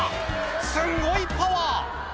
「すんごいパワー」